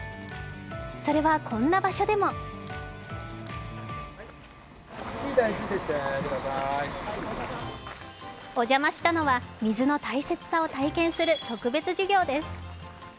それはこんな場所でもお邪魔したのは、水の大切さを体験する特別授業です。